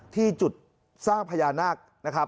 ที่จุดสร้างพญานาค